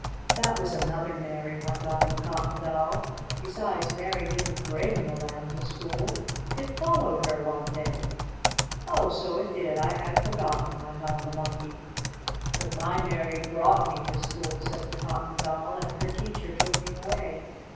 "That was another Mary," went on the Cotton Doll. "Besides Mary didn't bring the lamb to school, it followed her one day." "Oh, so it did I had forgotten," went on the Monkey. "But my Mary brought me to school," said the Cotton Doll, "and her teacher took me away.